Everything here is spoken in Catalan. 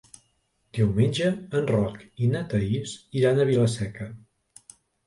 Diumenge en Roc i na Thaís iran a Vila-seca.